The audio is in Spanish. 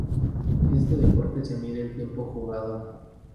En este deporte se mide el tiempo jugado.